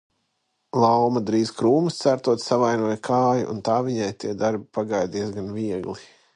Lauma drīz krūmus cērtot savainoja kāju un tā viņai tie darbi pagāja diezgan viegli.